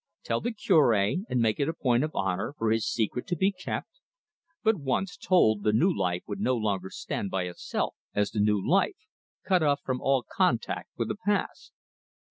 Tell the Cure, and make it a point of honour for his secret to be kept? But once told, the new life would no longer stand by itself as the new life, cut off from all contact with the past.